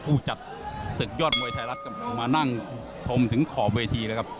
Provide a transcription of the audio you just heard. ผู้จัดศึกยอดมวยไทยรัฐกำลังมานั่งชมถึงขอบเวทีเลยครับ